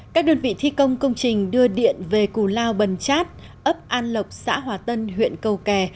các đơn vị thi công công trình đưa điện về cù lao bần chát ấp an lộc xã hòa tân huyện cầu kè